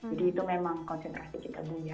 jadi itu memang konsentrasi kita bunyar